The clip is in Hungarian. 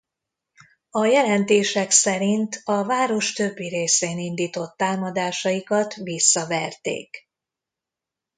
A jelentések szerint a város többi részén indított támadásaikat visszaverték.